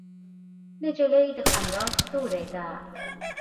نجلۍ د خندا ستورې ده.